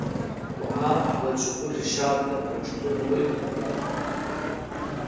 پوهاند عبدالشکور رشاد د پښتو لوی ليکوال وو.